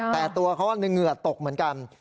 แต่ตัวเขาเหงื่อตกเหมือนกัน